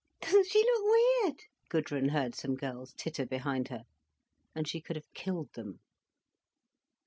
"Doesn't she look weird!" Gudrun heard some girls titter behind her. And she could have killed them.